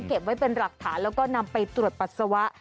เก็บไว้เป็นหลักฐานแล้วก็นำไปตรวจปัสสาวะ